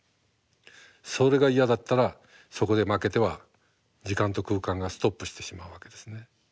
それが嫌だったらそこで負けては時間と空間がストップしてしまうわけですね。